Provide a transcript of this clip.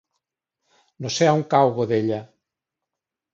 No sé on cau Godella.